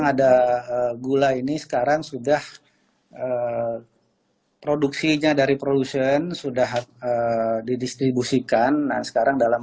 ada gula ini sekarang sudah produksinya dari produsen sudah didistribusikan nah sekarang dalam